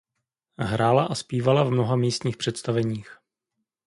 Hrála a zpívala v mnoha místních představeních.